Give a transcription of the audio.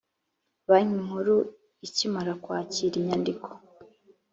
banki nkuru ikimara kwakira inyandiko